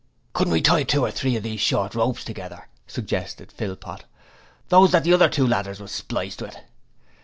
'Couldn't we tie two or three of those short ropes together?' suggested Philpot. 'Those that the other two ladders was spliced with?'